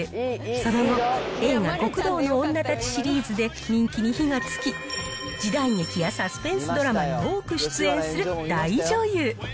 その後映画、極道の妻たちシリーズで人気に火がつき、時代劇やサスペンスドラマに多く出演する大女優。